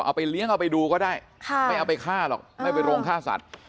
เอาไปเลี้ยงเอาไปดูก็ได้ไม่เอาไปฆ่าหรอกไม่ไปโรงฆ่าสัตว์